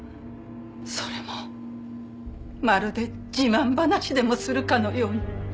それもまるで自慢話でもするかのように。